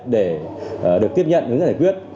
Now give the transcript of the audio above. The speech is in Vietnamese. để được tiếp nhận những giải quyết